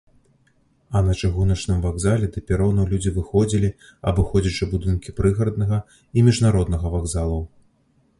А на чыгуначным вакзале да перонаў людзі выходзілі, абыходзячы будынкі прыгараднага і міжнароднага вакзалаў.